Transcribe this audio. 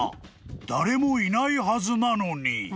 ［誰もいないはずなのに］